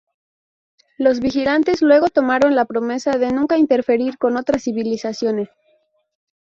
Los Vigilantes luego tomaron la promesa de nunca interferir con otras civilizaciones.